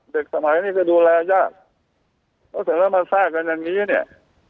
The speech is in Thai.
เด็กสมัยนี้ดูแลยากเพราะใส่แล้วมาแทรกแบบนี้เนี่ย